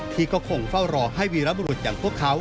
ที่ก็คงเฝ้ารอให้วีรบรุษอย่างพวกเขา